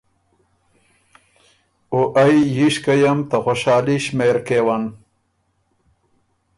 او ائ ييشکئ م ته خؤشالي شمېر کېون“